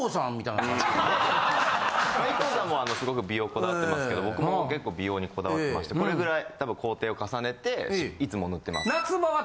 ＩＫＫＯさんもすごく美容こだわってますけど僕も結構美容にこだわってましてこれぐらい工程を重ねていつも塗ってます。